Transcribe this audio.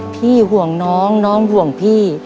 ห่วงน้องน้องห่วงพี่